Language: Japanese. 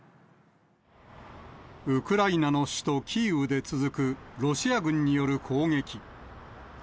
ウクライナの首都キーウで続く、ロシア軍による攻撃。